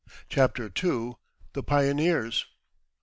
CHAPTER II. THE PIONEERS.